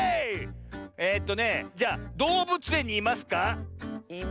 えとねじゃあどうぶつえんにいますか？